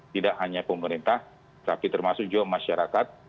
tidak hanya pemerintah tapi termasuk juga masyarakat